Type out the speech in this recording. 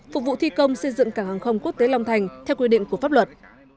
phục vụ thi công xây dựng cảng hàng không quốc tế long thành theo quy định của pháp luật